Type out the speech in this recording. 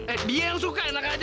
eh dia yang suka enak aja